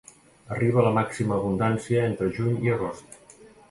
Arriba a la màxima abundància entre juny i agost.